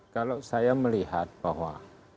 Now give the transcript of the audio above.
kalau saya melihat bahwa